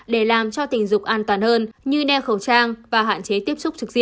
để làm cho tình dục an toàn hơn như đeo khẩu trang và hạn chế tiếp xúc trực diện